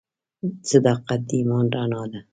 • صداقت د ایمان رڼا ده.